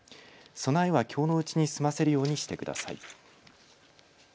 備えはきょうのうちに済ませるようにしてください。